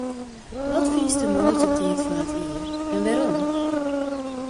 Wat fynst de moaiste tiid fan it jier en wêrom?